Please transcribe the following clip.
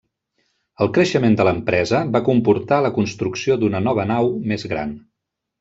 El creixement de l'empresa va comportar la construcció d'una nova nau més gran.